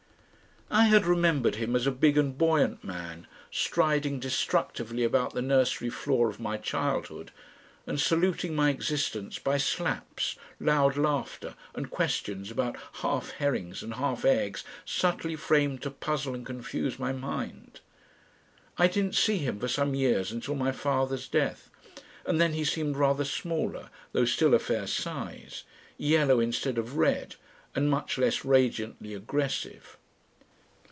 I had remembered him as a big and buoyant man, striding destructively about the nursery floor of my childhood, and saluting my existence by slaps, loud laughter, and questions about half herrings and half eggs subtly framed to puzzle and confuse my mind. I didn't see him for some years until my father's death, and then he seemed rather smaller, though still a fair size, yellow instead of red and much less radiantly aggressive.